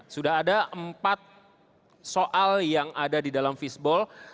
sudah ada empat soal yang ada di dalam fishball